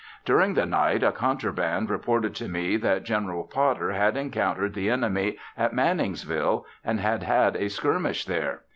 During the night a contraband reported to me that General Potter had encountered the enemy at Manningsville, and had had a skirmish there.